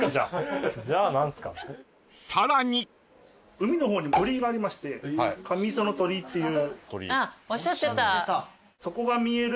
海の方に鳥居がありまして神磯の鳥居っていう。